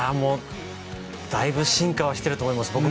だいぶ進化をしていると思います。